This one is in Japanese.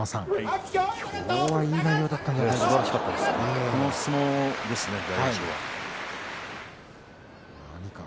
今日はいい内容だったんじゃないですか。